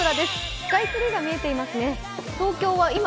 スカイツリーが見えてますね